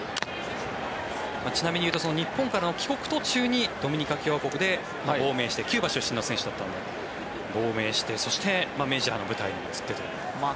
ちなみに言うと日本からの帰国途中にドミニカ共和国で亡命してキューバ出身の選手だったんですが亡命して、そしてメジャーの舞台に移ってという。